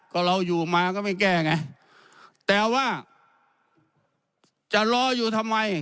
ก็เราอยู่มาก็ไม่แก้ไงแต่ว่าจะรออยู่ทำไม